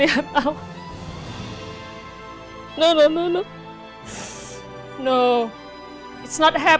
ini benar benar menakutkan buat saya